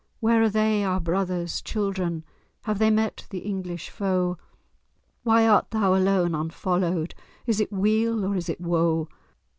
Where are they, our brothers—children? Have they met the English foe? Why art thou alone, unfollowed? Is it weal, or is it woe?"